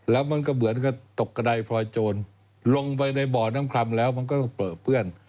แล้วมันก็เหมือนกับตกกระดายพลอยโจรลงไปในบ่อน้ำคลำแล้วมันก็ต้องเปลือเปื้อน